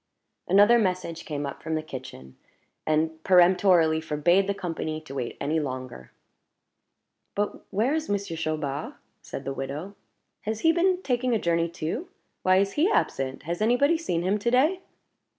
Another message came up from the kitchen, and peremptorily forbade the company to wait any longer. "But where is Monsieur Chaubard?" said the widow. "Has he been taking a journey too? Why is he absent? Has any body seen him to day?"